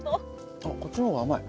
あこっちの方が甘い。